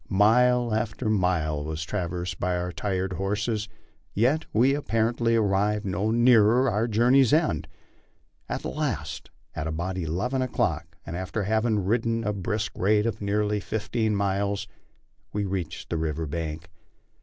Mite after mile was traversed by our tired horses, yet we apparently arrived no nearer our journey's end. At last, at about eleven o'clock, and after having ridden at a brisk rate for nearly fifteen miles, we reached the river bank.